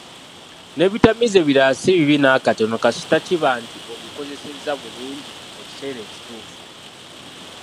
N’ebitamiiza ebirala si bibi n’akatona kasita kiba nti obikozesezza bulungi mu kiseera ekituufu.